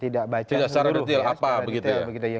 tidak secara detail apa begitu ya